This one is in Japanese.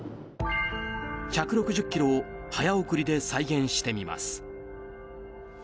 １６０キロを早送りで再現してみます。